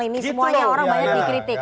ini semuanya orang banyak dikritik